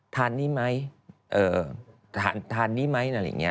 เธอนี่ไหมเออเธอนี่ไหม